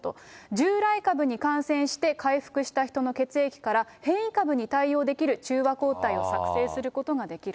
従来株に感染して回復した人の血液から、変異株に対応できる中和抗体を作製することができる。